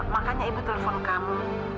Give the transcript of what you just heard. makanya ibu telpon kamu